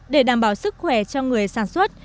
để đảm bảo sức khỏe cho người sản xuất